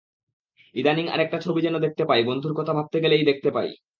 ইদানীং আরেকটা ছবি যেন দেখতে পাই, বন্ধুর কথা ভাবতে গেলেই দেখতে পাই।